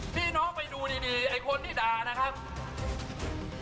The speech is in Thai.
พี่น้องไปดูดีไอ้คนที่ด่านะครับ